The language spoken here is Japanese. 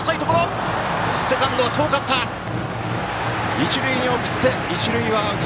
一塁に送って、一塁アウト。